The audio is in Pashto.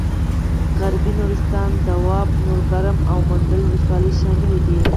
غربي نورستان دواب نورګرام او منډول ولسوالۍ شاملې دي.